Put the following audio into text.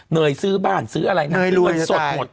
เนื่อยซื้อบ้านซื้ออะไรเนื่อยสดหมด